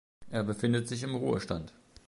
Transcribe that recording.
Er befindet sich im Ruhestand.